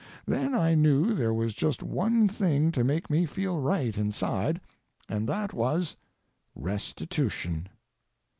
Then I knew there was just one thing to make me feel right inside, and that was—Restitution.